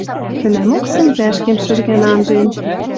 Тӹнӓмок сӹнзӓшкем шӹжгӓн анжен